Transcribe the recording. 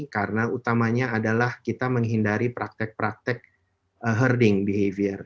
karena utamanya adalah kita menghindari praktek praktek herding behavior